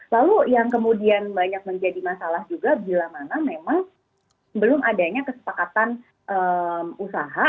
lalu yang kemudian banyak menjadi masalah juga bila mana memang belum adanya kesepakatan usaha